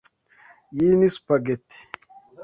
Iyi ni spaghetti.